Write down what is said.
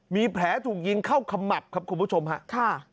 มีแผลถูกยิงเข้าขมับครับคุณผู้ชมครับ